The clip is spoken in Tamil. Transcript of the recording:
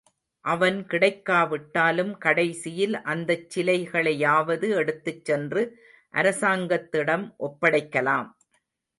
அவன் கிடைக்காவிட்டாலும் கடைசியில் அந்தச் சிலைகளையாவது எடுத்துச் சென்று அரசாங்கத்திடம் ஒப்படைக்கலாம்.